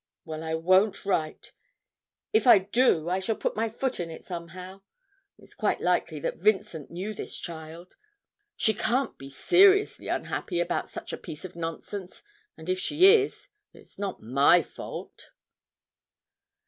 Well, I won't write; if I do I shall put my foot in it somehow.... It's quite likely that Vincent knew this child. She can't be seriously unhappy about such a piece of nonsense, and if she is, it's not my fault.'